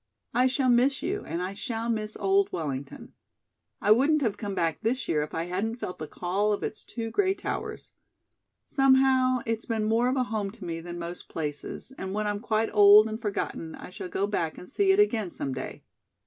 I shall miss you, and I shall miss old Wellington. I wouldn't have come back this year if I hadn't felt the call of its two gray towers. Somehow, it's been more of a home to me than most places, and when I'm quite old and forgotten I shall go back and see it again some day.